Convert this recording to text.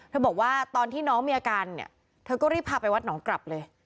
บอกว่าตอนที่น้องมีอาการเนี่ยเธอก็รีบพาไปวัดหนองกลับเลย